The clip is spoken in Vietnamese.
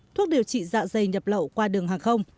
thuốc điều trị dạ dày nhập lậu qua đường hàng không